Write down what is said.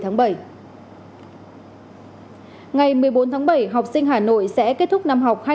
ngày một mươi bốn tháng bảy học sinh hà nội sẽ kết thúc năm học hai nghìn một mươi chín